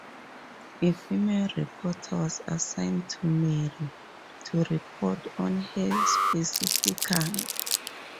A female reporter was assigned to Mary to report on her specifically.